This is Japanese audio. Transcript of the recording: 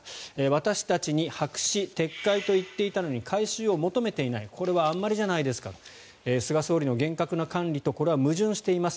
私たちに白紙撤回と言っていたのに回収を求めていないこれはあんまりじゃないですか菅総理の厳格な管理とこれは矛盾しています